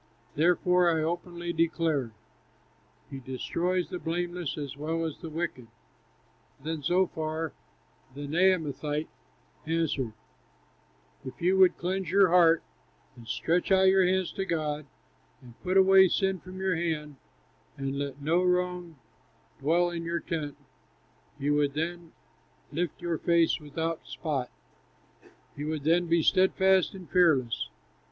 Therefore, I openly declare: He destroys the blameless as well as the wicked." Then Zophar, the Naamathite, answered: "If you would cleanse your heart, And stretch out your hands to God, And put away sin from your hand, And let no wrong dwell in your tent, You would then lift your face without spot, You would then be steadfast and fearless."